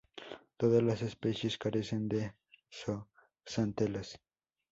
Todas las especies carecen de zooxantelas.